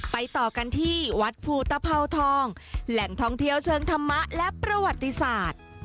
ต่อกันที่วัดภูตภาวทองแหล่งท่องเที่ยวเชิงธรรมะและประวัติศาสตร์